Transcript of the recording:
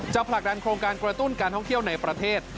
ผลักดันโครงการกระตุ้นการท่องเที่ยวในประเทศ